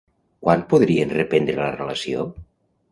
Quan podrien reprendre la relació?